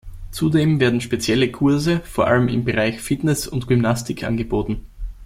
Zudem werden spezielle Kurse vor Allem im Bereich Fitness und Gymnastik angeboten.